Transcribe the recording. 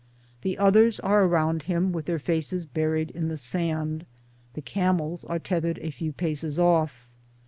The others are round him with their faces buried in the sand ; the camels are tethered a few paces off.